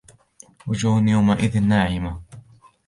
وُجُوهٌ يَوْمَئِذٍ نَاعِمَةٌ